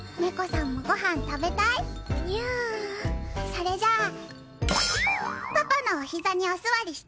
それじゃあパパのおひざにお座りして。